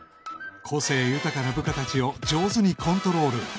個性豊かな部下たちを上手にコントロール